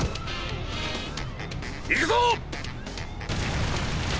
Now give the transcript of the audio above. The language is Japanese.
行くぞ。